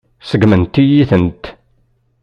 Seggment-iyi-tent.